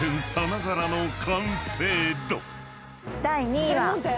第２位は。